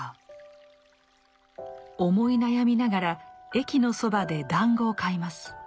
思い悩みながら駅のそばで団子を買います。